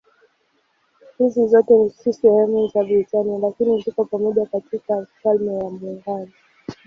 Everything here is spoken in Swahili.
Hizi zote si sehemu ya Britania lakini ziko pamoja katika Ufalme wa Muungano.